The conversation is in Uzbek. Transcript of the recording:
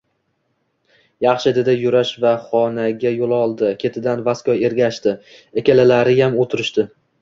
Yaxshi, – dedi Yurash va xonaga yoʻl oldi. Ketidan Vasko ergashdi. Ikkalalariyam oʻtirishdi.